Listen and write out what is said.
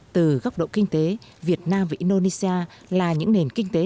từ góc độ kinh tế việt nam và indonesia là những nền kinh tế